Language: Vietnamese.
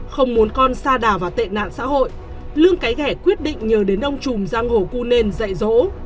không muốn con xa đào vào tệ nạn xã hội lương cái ghẻ quyết định nhờ đến ông trùm giang hồ cunên dạy dỗ